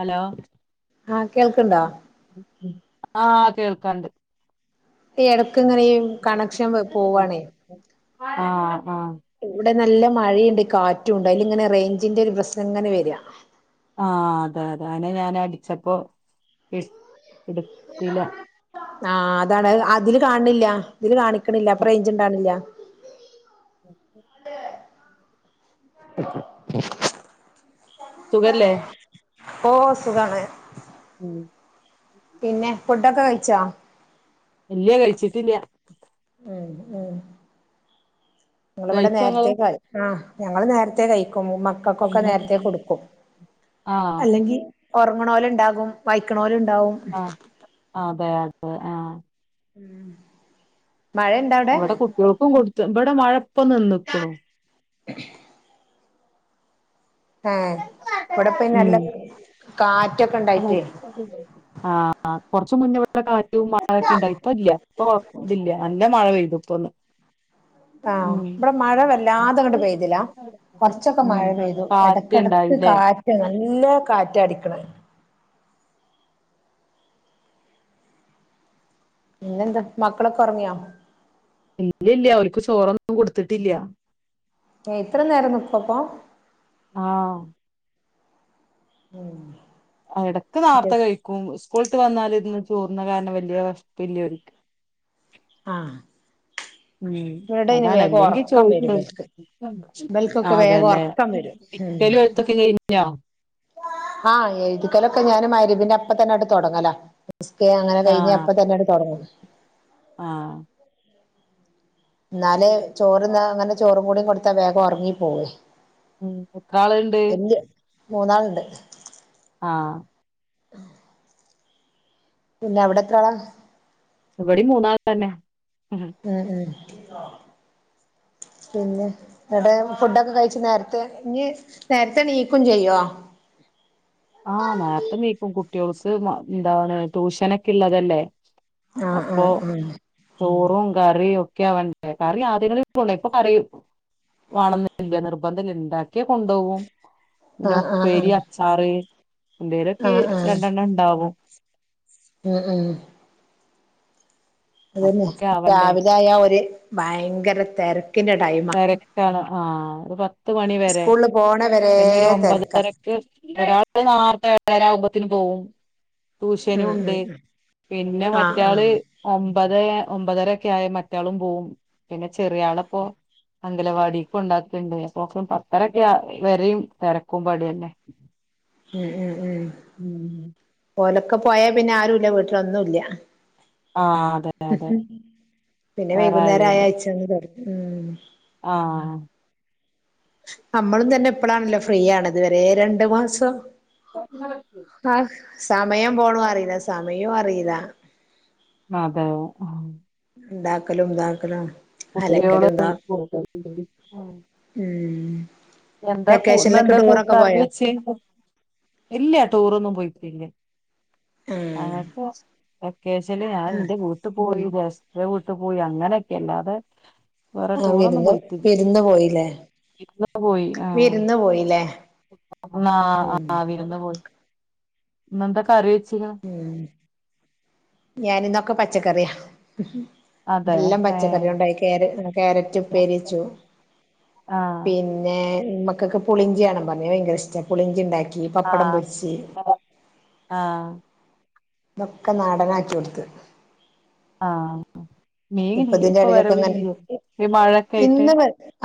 hello ആ കേൾക്ണ്ടോ ആ കേൾക്കാണ്ട് എട ക്ക്‌ങ്ങനീ കണക്ഷൻ വെ പോവാണേ ആ ഇവിടെ നല്ല മഴയുണ്ട് കാറ്റും ഉണ്ട് അയ്ല്ങ്ങനെ റേഞ്ചിന്റെ ഒരു പ്രശ്നം ഇങ്ങനെ വരിഅ ആഹ് അതെ അതെ അനെ ഞൻ അടിച്ചപ്പോ ഇട് ഇട്ത്തില ആ അതാണ് അതില് കാണില്ല ഇതില് കാണി ക്ക്‌ണില്ല അപ്പ റേഞ്ച്ണ്ടാണില്ല സുഖല്ലേ ഓ സുഖാണ് ഉം പിന്നെ ഫുഡൊക്കെ കഴിച്ചോ ഇല്ല്യ കഴിച്ചിട്ട്ല്ല്യ ഉം ഉം ങ്ങളിവിടെ കഴിച്ചങ്ങള് നേരത്തേ കളി ആ ഞങ്ങള് നേരത്തെ കയ് മക്കൾക്കൊക്കെ നേരത്തെ കൊടുക്കും ആഹ് അല്ലെങ്കി ഉറങ്ങണോല്ണ്ടാകും വൈക്കണോര് ഉ ആ ആതെ അതെ അതെ ആ ഉം വിടെ കുട്ടിയോൾക്കും കൊടു റ്റ് ഇബടെ മഴ ഇപ്പൊ നിന്ന്ക്കുണു ഏഹ് ഇവിടെപ്പ നല്ല ഉം കാറ്റൊക്കെ ഇണ്ടായിട്ടേ കുറച്മുന്നേ ഇ കാറ്റും മഴയൊക്കെണ്ടായിപ്പോ ഇല്ല ഇപ്പൊ കോയ ഇല്ല നല്ല മഴ പെയ്തു ഇപ്പൊന്ന് ഉം ആഹ് ഇവിടെ മഴ വല്ലാതെ അങ്ങട്ട് പെയ്തില്ല കുറച്ചൊക്കെ മഴ പെയ്തു എടക്കടക്ക് കാറ്റ്ണ്ടായില്ലേ കാറ്റ് നല്ല കാറ്റാടിക്കണ് പിന്നെന്ത് മക്കളൊക്കെഒറങ്ങിയോ ഇല്ലില്ല അവര്ക്ക് ചോറൊന്നും കൊടുത്തിട്ടില്ല ഇത്ര നേരം നിക്കപ്പോ ആഹ് ഉം എടക്ക് നാർത്ത കഴിക്കും സ്കൂൾട്ട് വന്നാല് ഇന്ന് ചോർന്നകാരണം വല്യ വേഷപ്പില്യോർക്ക് ആഹ് ഉം ഇവിടെ അയിന് അതാണ് വേഗം അല്ലെങ്കിൽ ഒറക്കം ചോയിക്കും വരും ഇവൽക്ക് അ ഇബൽക്കൊക്കെ വേഗം അതെല്ലെ ഒറക്കം വരും ഉം പഠിക്കലും എഴുത്തൊക്കെ കഴിഞ്ഞ ഇതിനപ്പതന്നെങ്ങട്ട് തോടങ്ങല സ്കെ അങ്ങനെ കഴിഞ് അപ്പ തന്നെങ്ങട്ട് തുടങ്ങും ആ എന്നാല് ചോറ്ന്ന അങ്ങനെ ചോറും കൂടി കൊടുത്താ വേഗം ഒറങ്ങി പോവും ഉം എത്രാൾണ്ട് മൂന്നാൾണ്ട് ആ [unintelligible] പിന്നെ അവിടെത്രാള ഇബടീം മൂന്നാളന്നെ ഉം ഉം [unintelligible] [unintelligible] പിന്നെ ഇവിടെ ഫുഡൊക്കെ കഴിച്ച് നേരത്തെ ഇഞ്ഞ് നേരത്തെ നീക്കും ചെയ്യോ ആഹ നേരത്തെ നീക്കും കുട്ടികൾസ് എന്താണ് ട്യൂഷനോക്കെള്ളതല്ലേ ആ അ അ ചോറും കറിയും ഒക്കെ ആവേണ്ടേ കറി ആ [inaudible] കൊണ്ടോയി ഇപ്പൊ കറി വണന്നില്ല നിർബന്ധല്ല ഇണ്ടാക്കിയ കൊണ്ടോവും പിന്നെ ആഹ് ആഹ് ആഹ് ഉപ്പേരി അച്ചാറ് ആഹ് എന്തേലൊക്കെ ആഹ് ആഹ് രണ്ടെണ്ണണ്ടാവും [unintelligible] ഉം ഉം [unintelligible] അതന്നെ അപ്പൊക്കെ ആവണ്ടേ രാവിലെ ആയാ ഒര് ഭയങ്കര തെര ഇക്കിന്റെ ടൈമാ ആഹ പത്ത് മണി വരെ സ്കൂളിൽ പോണ വരെ പിന്നെ ഒരു ഒമ്പത്ര തിരക്കാ രക്ക് ഒരാൾ നാരത്തെഏഴാ ആവുപ്പോ- അപത്തിന് പോവും ട്യൂഷനും ഉം ഉം ഉണ്ട് ഉം പിന്നെ ആഹ് മറ്റാള് ആഹ് എന്താ- ഒമ്പത് ഒമ്പതരൊക്കെ ആയ മറ്റാളും പോവുംപിന്നെ ചെറിയ ആളപ്പൊ അംഗലവാടിക്ക് കൊണ്ടാക്ക്ണ്ട് അപ്പൊ പത്തരൊക്കെ വരയും തിരക്കും പടി തന്നെ ഉം ഉം ഉം ഹ ഒക്കെ പോയാൽ പിന്നെ ആരുല്ല വീട്ടില ഒന്നുംല്ല ആഹ് അതെ അതെ പിന്നെ വേറെ വൈകുന്നേരം ആയാഴ്ച അങ്ങ് കൊടുക്ക ഉം ആഹ നമ്മളും തന്നെ എപ്പഴാണല്ലോ ഫ്രീ ആണ് ഇതു വരെ രണ്ടു മാസം ആഹ് [unintelligible] സമയം പോണതുഅറിയില്ല സമയവും അറിയില അത ആ ഉണ്ടാക്കലും ദാക്കലും ഉം കുട്ടോള്എന്താ വെക്കേഷനിലൊക്കെ എന്താ കുട്ടാൻ ടൂറൊക്കെ [unintelligible] കറി പോയോ വെച്ച ഇല്ല ടൂർ ഒന്നും പോയി ഇല്ല ആ ആഹ് [unintelligible] വേക്ക്ഷൻഞാൻ ആഹ് എന്റെ വീട്ട് പോയി വിജാരി എന്റെപോയി അങ്ങനെയൊക്കെ അല്ലാതെ വേറെ ആഹ് ടൂറ ഒന്നും വിരുന്ന് പോയിട്ട വിരുന്ന് പോയില്ലേ വിരുന്ന് പോയി വിരുന്ന് പോയില്ലേ ആഹ ഉം ആഹ വിരുന്ന് പോയി ഇന്ന് എന്താ കറി വെച്ചിക്ക്ണ് ഉ ഞാനിന്നൊക്കെ പഠി പച്ചക്കറിയാ അതെ എല്ലാം ഏഹ് പച്ചക്കറിയ ഉണ്ടായി കാരറ്റ് ഉപ്പരിച്ചു ആഹ് പിന്നെ മക്കക്ക് പുളിചിയാ പറഞ്ഞത് ഭയങ്കര ഇഷ്ട പുളിഞ്ച ഉണ്ടാക്കി ഇനി പപ്പടം ആഹ് പൊരിച്ചു ആഹ് നൊക്കെ നാടൻ ആക്കികൊടുത്ത് ആഹ മീൻഇപ്പൊ എടയിലൊക്കെ വരവല്ല മഴൊക്കെ ആയിട്ട്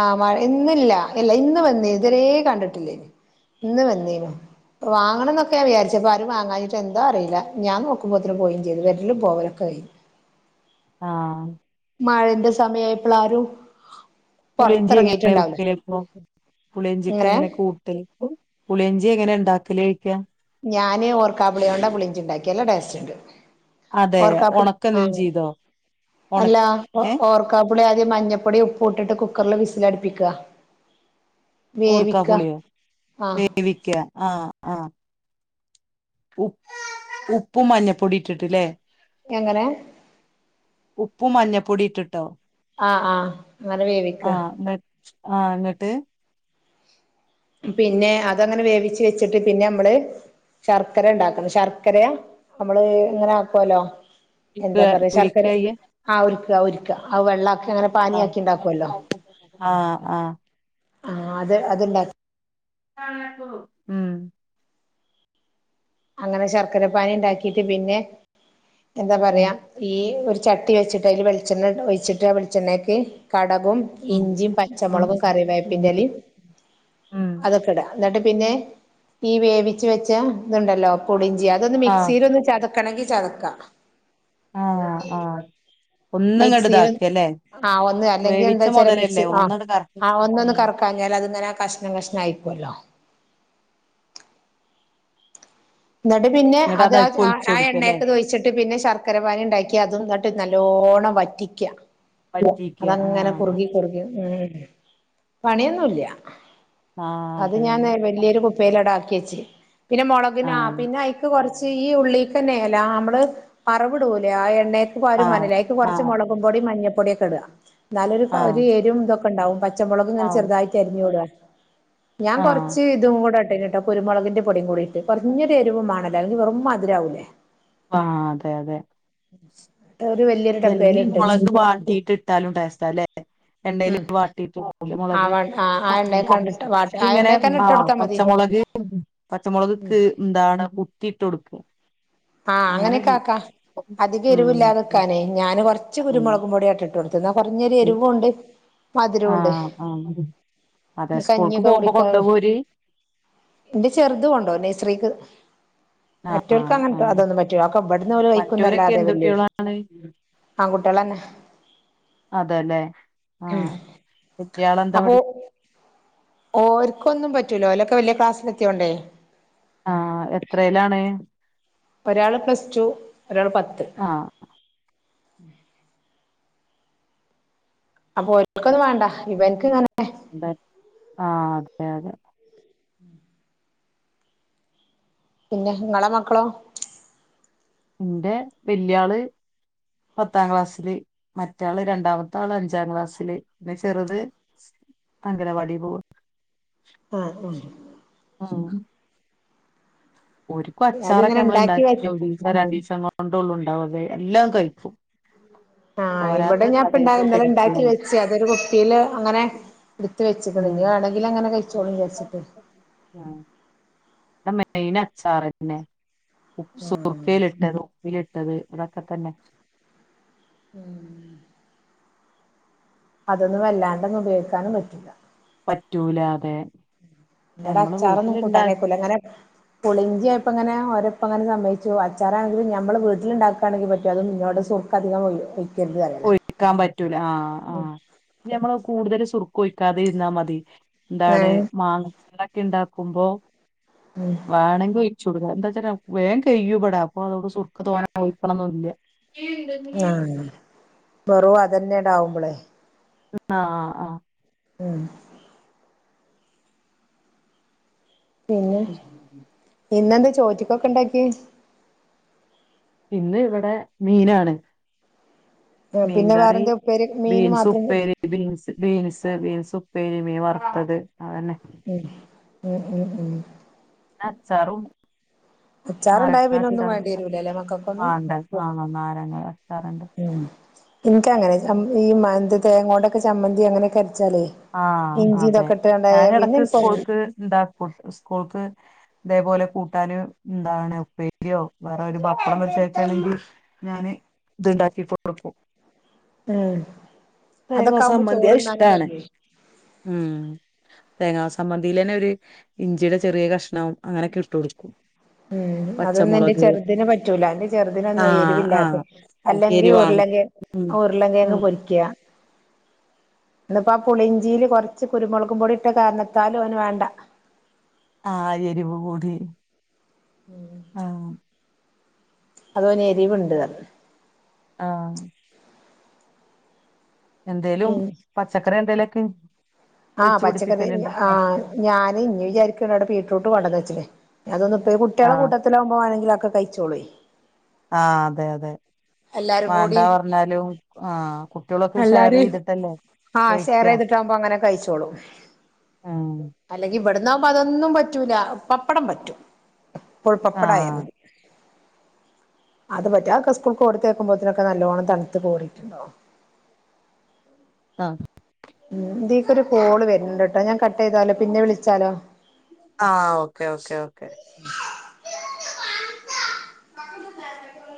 ആഹ് മഴ ഇന്നില്ല ഇല്ല ഇന്ന് വന്നീനി ഇതിരെേ കണ്ടിട്ടിലിയ്നി ഇനി ഇന്ന് വന്നീനു വാങ്ങണം എന്നൊക്കെ ഞാൻ വിചാരിച്ച് ആരും വാങ്ങാഞ്ഞിട്ട് എന്തോ അറിയില്ല ഞാൻ നോക്കുമ്പോത്തന് പോയിനു ചെയ്തു വരലും പോവലൊക്കെ ഒക്കെ കഴിഞ്ഞു ആ മഴന്റെ സമയആയപ്പളാരും പുളിഞ്ചി എങ്ങനെ വക്കല് ഇപ്പോ പൊടിയും എങ്ങനെ കൂട്ടലും പുളിയേഞ്ചി എങ്ങനെ ഉണ്ടാക്കല് ചോദിക്കാം ഞാന് ഓർകാപൊളിയുണ്ടാ പുളി ഇഞ്ചി ഉണ്ടാക്കി നല്ല ടേസ്റ്റാ ണ്ട് [unintelligible] അതെ ഓർകാപുളി ഉണക്ക ആ എന്തേലും ചെയ്തോ ഉണ അല്ല ഏഹ് ഓർക്കാപുളി ആദ്യം മഞ്ഞൾപ്പൊടി ഉപ്പ് ഇട്ടിട്ട് കുക്കറിൽ വിസിൽ വിസൽ അടുപ്പിക്ക ഓർക്കാപുളിയോ വേവിക്ക ആഹ ആഹ ഉ് ഉപ്പും മഞ്ഞപ്പൊടി ഇട്ടിട്ട്ല്ലേ എങ്ങനെ ഉപ്പും മഞ്ഞപ്പൊടി ഇട്ടിട്ടോ ആഹ് ആഹ് അങ്ങനെ വേവിക്ക ആ എന്നിട്ട് പിന്നെ അതങ്ങനെ വേവിച്ച് വെച്ചിട്ട് പിന്നെ നമ്മൾ ശർക്കര ഉണ്ടാക്കണം ശർക്കര നമ്മള് ഇങ്ങനെ ആക്കോലോ എന്താ പറയാ ശർക്കര പൊരിക്കാ ചെയ്യാ ആ ഒരു ഒരിക്ക ആ വെള്ള അങ്ങനെ പാനീ ആക്കി ഉണ്ടാകോലോ ആഹ ആഹ ആഹ അത് അത്ണ്ടാക്കി ഉം അങ്ങനെ ശർക്കര പാനി ഉണ്ടാക്കിട്ട് പിന്നെ എന്താ ഉം പറയാ ഈ ഒരു ചട്ടി വെച്ചിട്ട് അയിൽ വെളിച്ചെണ്ണ ഒഴിച്ചിട്ട് വെളിച്ചെണ്ണയ്ക്ക് കടക് ഉം ഇഞ്ചി ഉം പച്ചമുളകും കറിവേപ്പിന്റലേം ഉം അതൊക്കെ ഇട എന്നിട്ട് പിന്നെ ഈ വേവിച്ച് വെച്ച ഇതുണ്ടല്ലോ പുളി അതൊന്ന് ആഹ് മിക്സിയിലൊന്ന് ചതക്കണങ്കി ചതക്ക ആഹ് ആഹ് ഒന്നങ്ങട് മിക്സിയിൽ ഇതാക്കല്ലേ ആ ഒന്ന് അല്ലെങ്കിൽ വേവിച്ച എന്താച്ചാല മിക്സി മുതലല്ലേ ആ ഒന്നട് കറക്കി ആ ഒന്ന ഒന്ന് ഉം കറക്കാഞ്ഞാൽ അതങ്ങനെ കഷ്ണം കഷ്ണം ആയിരിക്കോലോ എന്നിട്ട് പിന്നെ ഇങ്ങട്ട് അത് ആ അയ്ക്ക് ഒഴിച്ച് ആ കൊടുക്കല്ലേ എണ്ണയൊക്കെതൊയിച്ചിട്ട് പിന്നെ ശർക്കര പാനി ഇണ്ടാക്കി അതും ഇങ്ങട്ട് നല്ലോണം വറ്റിക്ക്യ വറ്റിക്ക അതങ്ങനെ ആഹ് കുറുകി കുറുകി പണിയൊന്നൂല്യാ ആഹ് അത് അതെ ഞാൻ അതെ വലിയൊരു കുപ്പീലടാ കെച്ച് പിന്നെ മുളകിന് ആഹ് ആമ് ഇക്ക് കുറച്ച് ഈ ഉള്ളിക്കന്നേലാ അമ്മള് അറവിടൂലേ ആ എണ്ണേ ഓ ഒരു ആഹ് മനരായിക്ക് കുറച്ച് ആഹ് മുളകുപൊടി മഞ്ഞ പൊടിയക്കെ ഇടുക നല്ലൊരു ഭാ ആഹ് ഒരു എരിവും ഇതൊ പ്പണ്ടാവും പൽ പച്ചമുളകിങ്ങനെ ആഹ് ചെറുതായിട്ട് അരിഞ്ഞു ഇടുക ഞാൻ ആഹ് കുറച്ച് ഇതും കൂടെ ഇതു കഴിഞ്ഞിട്ട് കുരുമുളകിന്റെ പൊടിയും കൂടിട്ട് കൊർഞ്ഞ് എരിവും മേണല്ലോ അല്ലെങ്കി വെറും മതിരാവൂലേ ആ അതെ അതെ ഒരു വലിയൊരു പല്ലെങ്കി ഡബേല് ഇട്ടേച്ച് മുളക് വാട്ടിയിട്ട് ഇട്ടാലും ടേസ്റ്റാ അല്ലേ എണ്ണേല് ഉം വാട്ടിട്ട് പുളി ആ മുളക് ആ എണ്ണേക്കാണ്ട് ഇട്ട് വാട്ട ആ ഇതിലിങ്ങനെ എണ്ണേക്കന്നെ ഇട്ട് കൊടുത്താ മതി പച്ചമുളക് പച്ചമുളക് ക് ന്താണ് കുത്തീട്ടൊടുക്കും ആ അങ്ങനൊക്കെ ആക്കാം അധികം ഉം എരിവില്ലാ നിക്കാനേ ഞാന് കുറച്ച് കുരുമുളക് അങ്ങനെ പൊടിയായിടിട്ട് ഇതെന്ന കുറഞ്ഞൊരു എരിവും ഉണ്ട് മധുരോം ഉണ്ട് ആഹ് ആഹ് അതെ സ്കൂൾക്ക് കഞ്ഞിയൊക്കെ പോകുമ്പോ കുടിക്കാ കൊണ്ടോവോര് എന്റെ ചെറുതും ഉണ്ടോ നെ ഫ്രീക്ക് മറ്റവൾക്ക് ആഹ് അങ്ങ ആഹ് അതൊന്നും പറ്റുവോ അക്കൊ ഇവിടന്ന് ഓള് മറ്റോരൊക്കെ കഴിക്കുന്നല്ലാതെ എന്ത് വല്ല് കുട്ടികളാണ് ആൺകുട്ടികളന്നെ അതെല്ലേ ഉം ആഹ് വല്യാളെന്താ അപ്പൊ പഠി ഓർക്കൊന്നും പറ്റൂ ഇതുപോലൊക്കെ വലിയ ക്ലാസ്സിൽ എത്തിയോണ്ടേ ആ എത്രയിലാണ് ഒരാള് പ്ലസ്ടു ഒരാള് പത്ത് ആഹ് അപ്പൊ ഒരുക്കൊന്നും വേണ്ട ഇവക്ക് ഇങ്ങനെ ബൻ ആ അതെ അതെ പിന്നെ നിങ്ങടെ മക്കളോ എന്റെ വല്യാള് പത്താം ക്ലാസ്സില് മറ്റാള് രണ്ടാമത്ത ആള് അഞ്ചാം ക്ലാസ്സില് പിന്നെ ചെറുത് അംഗനവാടി പോകും ആ ആ ഒരുക്കും അച്ചാറോക്കെ അതിങ്ങനെ ഇണ്ടാക്കി വെ നമ്മളിണ്ടാക്കി ഒറീസ രണ്ടീസോ കൊണ്ടുള്ള ഉണ്ടാവാതെ എല്ലാം കഴിക്കും ആ ഇവിടെ പോരാത്തെ ഞാൻ ഇപ്പം ഇണ്ടാ കടേന്ന് ഇന്നലെ മേടിക്കും ഇണ്ടാക്കിവെച്ച് അതൊരു കുപ്പിയിൽ അങ്ങനെ എടുത്തുവെച്ചിട്ടുണ്ട് ഉം ഇനി വേണെങ്കിലങ്ങനെ കഴിച്ചോളുന്ന് വെച്ചിട്ട് ഇത് മീനച്ചാറ്തന്നെ ഉ സുർക്കലിട്ടതു ഉപ്പില് ട്ടത് ഇതൊക്കെ തന്നെ ഉം അതൊന്നും വല്ലാണ്ടൊന്നും ഉപയോഗിക്കാനും പറ്റില്ല പറ്റൂലാ അതെ ഇവിടെ നമ്മള് അച്ചാറൊന്നും കൂട്ടാനേ വീട്ടിലുണ്ടാക്കി ഒക്കൂല്ല അങ്ങനെ പുളിഞ്ചി ആയപ്പോ ഇങ്ങനെ അതിപ്പം അങ്ങനെ സമ്മതിച്ചു അച്ചാറാണെങ്കിലും ഞമ്മള് വീട്ടിലുണ്ടാക്കുവാണെങ്കിൽ പറ്റോ അത് ഇങ്ങോട്ട് സുർക്ക അധികം പറയലാ ഒഴിക്കാൻ പറ്റൂല ആ ആ ഞമ്മള് കൂടുതൽ സുർ ഒഴിക്കാതിരുന്നാ മതി എന്താണ് ഏഹ് മാങ്ങ ഇണ്ടാക്കുമ്പോ ഉം വേണെങ്കിൽ ച്ചുടക എന്താ വച്ചാൽ വേഗം കഴിയൂവെടാ അപ്പൊ സുർക്ക തോനെ ഒഴിക്കണം ഒന്നുല്ല ആഹ് [unintelligible] വെറും അതന്നെയുണ്ടാവുമ്പളെ ആ ആ ഉം പിന്നെ ഇന്നെന്താ ചോറ്റിക്കൊക്കെ ഇണ്ടാക്കി ക്കിയെ ഇന്ന് ഇവിടെ മീനാണ് മീൻ പിന്നെ കറി വേറെന്താ ഉപ്പേരി മീന് ബീൻസ് മാത്രം ഉപ്പേരി ബീൻസ് ബീൻസ് ബീൻസ് ഉപ്പേരി മീൻ വറുത്തത് അതന്നെ ഉം ഉം ഉം ഉം അച്ചാറും അച്ചാറുണ്ടായ പിന്നെ ഒന്നും വേണ്ടി നാരാങ്ങാച്ചാറുണ്ട് വരൂലല്ലേ മക്കൾക്കൊന്നും ആ ഉണ്ടാക്കിയാണ് നാരങ്ങാച്ചാറുണ്ട് ഉം ഇൻക്ക് അങ്ങനെ ഈ മ എന്ത് തേങ്ങോണ്ടെക്കെ ചമ്മന്തി അങ്ങനൊക്കെഅര ആ അതെ ഞാന് പിന്നെ ഇടക്ക് എനിക്കൊന്നും സ്കൂൾക്ക് ഇണ്ടാക്കൂം സ്കൂൾക്ക് ഇതേപോലെ കൂട്ടാന് എന്താണ് ഉപ്പേരിയോ വേറെ ഒരു പപ്പടം വെച്ചേക്കാണെങ്കിൽ ഞാന് ഇതുണ്ടാക്കി കൊടുക്കും ഉം തേങ്ങ അതൊക്കെ ആവുമ്പോ ചമ്മന്തി അത് ചോറ്ന്നാനും ഇഷ്ടാണ് കഴിയേ ഉം തേങ്ങാ ചമ്മന്തിയിൽ തന്നെ ഒരു ഇഞ്ചിയുടെ ചെറിയ കഷ്ണവും അങ്ങനൊക്കെ ഇട്ട് കൊടുക്കും ഉം അതൊന്നും എന്റെ പച്ചമുളക് ചെറുതിന് പറ്റൂല എന്റെ ചെറുതിനൊന്നും ആഹ് എരുവില്ലാതെ ആഹ് അല്ലെങ്കി എരിവാണ് ഉം ഉരുളങ്കിഴങ്ങ് ഉം പൊരിക്കുക ഇന്നിപ്പോ ആ പുളിഞ്ചിയില് കുറച്ച് കുരുമുളക് പൊടി ഇട്ട കാരണത്താലും അവന് വേണ്ട ആ എരിവ് കൂടി ആ അതുപോലെ എരിവുണ്ട് അഹ് ആഹ് എന്തേലും പറഞ്ഞ് പച്ചക്കറി എന്തേലുമൊക്കെ ആഹ് പച്ചക്കറി ആ ഞാനും വിചാരിക്കണ് അവിടെ ബീട്രൂട്ട് കൊണ്ടൊന്ന് വെച്ച് അതൊന്ന കുട്ടികെ കുട്ടികള ആഹ് കുട്ടത്തിലാവുമ്പോ ആരെങ്കിലുമൊക്ക ഒക്കെ കഴിച്ചോളേ ആ അതെ അതെ കൂടി വേണ്ടാ പറഞ്ഞാലും ആഹ് കുട്ടികളൊക്കെ ഷെയർ എല്ലാരും ചെയ്തിട്ടല്ലേ കഴിക്ക ച്ചോളും ആഹ് അല്ലങ്കി ഇവിടെ ഇന്ന് ആവുമ്പോൾ അതൊന്നും പറ്റൂല പപ്പടം പറ്റും എപ്പോഴും പപ്പടായ മതി അത് പറ്റാ കഷ്ട ക്ക് കൊടുത്തേക്കുമ്പോത്തിനൊക്കെ നല്ലോണം തണുത്ത് കോടിട്ടുണ്ടോ ആഹ് ഉം ഇതിലേക്ക് ഒരു കോള് വരണ്ട് കേട്ടോ ഞാൻ കട്ട് ചെയ്താലോ പിന്നെ വിളിച്ചാലോ ആ ഓക്കേ ഓക്കേ ഓക്കേ ഓക്കെ